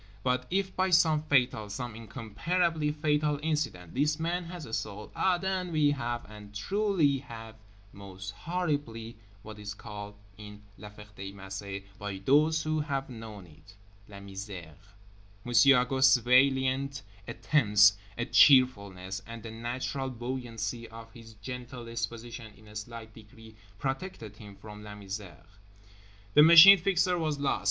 But if, by some fatal, some incomparably fatal accident, this man has a soul—ah, then we have and truly have most horribly what is called in La Ferté Macé by those who have known it: La Misère. Monsieur Auguste's valiant attempts at cheerfulness and the natural buoyancy of his gentle disposition in a slight degree protected him from La Misère. The Machine Fixer was lost.